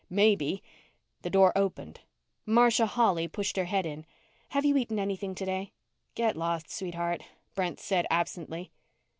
Maybe The door opened. Marcia Holly pushed her head in. "Have you eaten anything today?" "Get lost, sweetheart," Brent said absently.